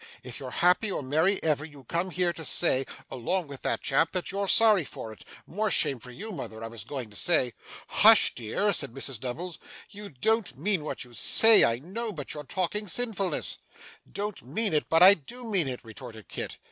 If you're happy or merry ever, you come here to say, along with that chap, that you're sorry for it. More shame for you, mother, I was going to say.' 'Hush, dear!' said Mrs Nubbles; 'you don't mean what you say I know, but you're talking sinfulness.' 'Don't mean it? But I do mean it!' retorted Kit.